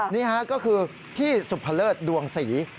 นี่ก็คือพี่สุขภเลิศดวงสี